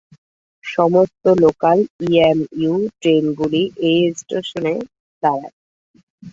সমস্ত local EMU ট্রেনগুলি এই স্টেশনে দাঁড়ায়।